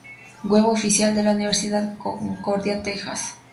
Web oficial de la Universidad Concordia Texas